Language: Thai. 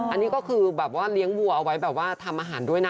อันนี้ก็คือแบบว่าเลี้ยงวัวเอาไว้แบบว่าทำอาหารด้วยนะ